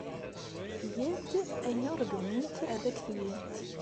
Gant ayen ay ṛeggment ad ak-t-gent.